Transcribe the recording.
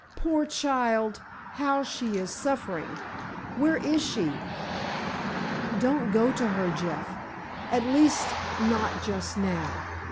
Poor child, how she is suffering! Where is she?" "Don't go to her, Jeff. At least, not just now.